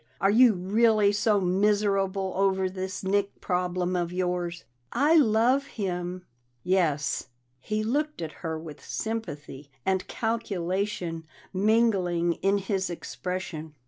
Are you really so miserable over this Nick problem of yours?" "I love him." "Yes." He looked at her with sympathy and calculation mingling in his expression.